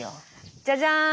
じゃじゃーん！